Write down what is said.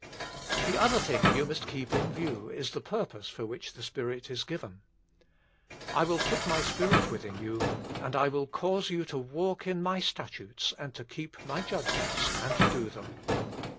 The other thing you must keep in view is the purpose for which the Spirit is given. I will put My Spirit within you, and / will cause you to walk in My statutes and to keep My judgments and do them.